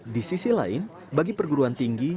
di sisi lain bagi perguruan tinggi